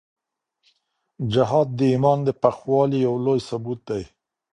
جهاد د ایمان د پخوالي یو لوی ثبوت دی.